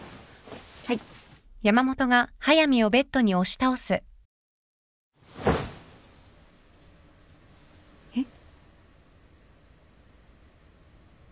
はい。えっ？